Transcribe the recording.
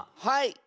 はい！